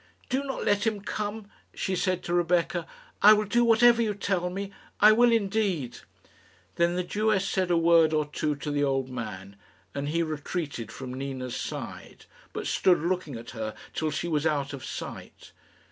"Do not let him come," she said to Rebecca. "I will do whatever you tell me; I will indeed." Then the Jewess said a word or two to the old man, and he retreated from Nina's side, but stood looking at her till she was out of sight.